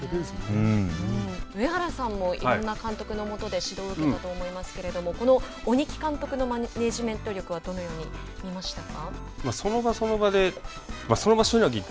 上原さんもいろんな監督の下で指導を受けたと思いますけれどもこの鬼木監督のマネジメント力はその場その場でその場しのぎと